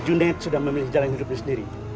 si junet sudah memilih jalan hidupnya sendiri